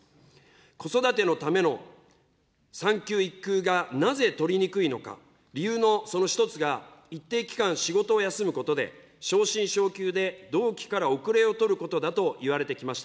子育てのための産休・育休がなぜ取りにくいのか、理由のその一つが、一定期間仕事を休むことで、昇進・昇給で同期から後れを取ることだといわれてきました。